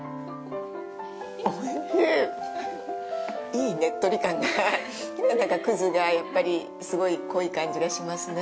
いいねっとり感が、葛がやっぱりすごく濃い感じがしますね。